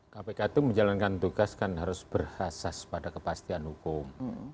kpk itu menjalankan tugas kan harus berhasas pada kepastian hukum